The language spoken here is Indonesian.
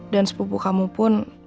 dan sepupu kamu pun